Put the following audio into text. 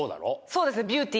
そうですね。